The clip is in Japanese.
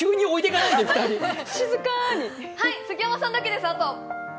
杉山さんだけです、あと！